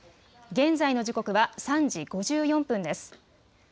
現在の時刻は３時５４分です。